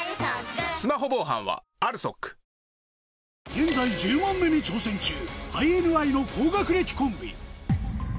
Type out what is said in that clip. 現在１０問目に挑戦中ＩＮＩの高学歴コンビ